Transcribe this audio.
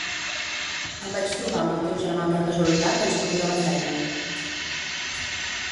Em vaig trobar amb el teu germà per casualitat en sortir de la feina.